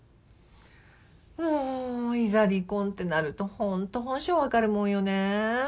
もういざ離婚ってなるとホント本性分かるもんよね。